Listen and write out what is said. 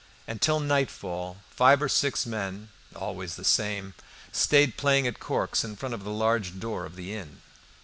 And till nightfall, five or six men, always the same, stayed playing at corks in front of the large door of the inn.